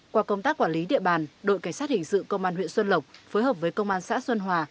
qua công tác quản lý địa bàn đội cảnh sát hình sự công an huyện xuân lộc phối hợp với công an xã xuân hòa